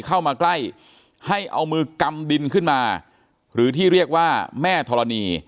เข้ามาใกล้ให้เอามือกำดินขึ้นมาหรือที่เรียกว่าแม่ธรณี